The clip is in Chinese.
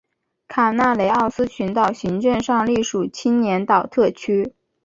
卡纳雷奥斯群岛行政上隶属青年岛特区。